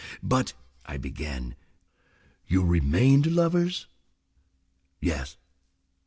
"But—" I began. "You remained lovers?" "Yes."